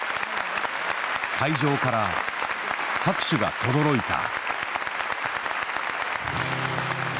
会場から拍手が轟いた。